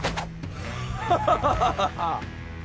ハハハハハ！